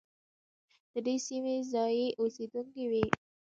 د دې سیمې ځايي اوسېدونکي وي.